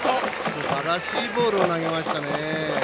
すばらしいボールを投げましたね。